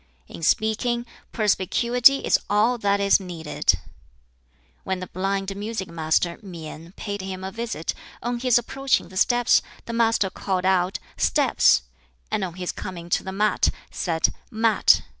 "In speaking, perspicuity is all that is needed." When the blind music master Mien paid him a visit, on his approaching the steps the Master called out "Steps," and on his coming to the mat, said "Mat."